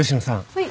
はい。